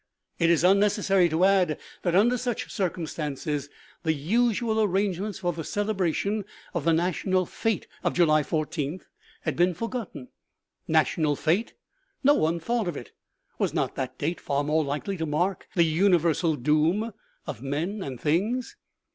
It is unnecessary to add that under such circinnstances the usual arrangements for the celebration of the national fete of July i4th had been forgotten. National fete ! No one thought of it. Was not that date far more likely to mark the univer sal doom of men and things